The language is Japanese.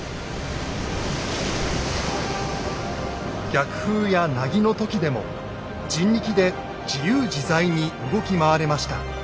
逆風やなぎの時でも人力で自由自在に動き回れました。